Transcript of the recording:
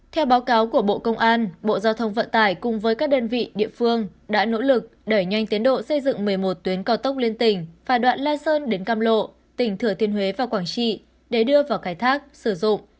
theo báo cáo của bộ công an bộ giao thông vận tải cùng với các đơn vị địa phương đã nỗ lực đẩy nhanh tiến độ xây dựng một mươi một tuyến cao tốc liên tỉnh và đoạn la sơn đến cam lộ tỉnh thừa thiên huế và quảng trị để đưa vào khai thác sử dụng